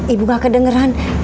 ibu gak kedengeran